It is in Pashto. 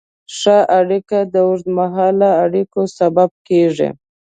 ښه اړیکه د اوږدمهاله اړیکو سبب کېږي.